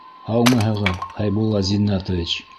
Һаумыһығыҙ, Хәйбулла Зиннәтович!